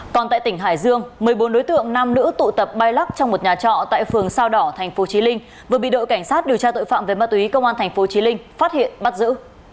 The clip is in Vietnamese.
còn tại tỉnh hải dương một mươi bốn đối tượng nam nữ tụ tập bay lắc trong một nhà trọ tại phường sao đỏ tp chí linh vừa bị đội cảnh sát điều tra tội phạm về ma túy công an tp chí linh phát hiện bắt giữ